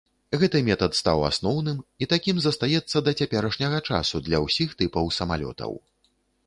Гэты метад стаў асноўным і такім застаецца да цяперашняга часу для ўсіх тыпаў самалётаў.